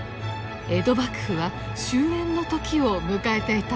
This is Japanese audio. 江戸幕府は終焉の時を迎えていたのです。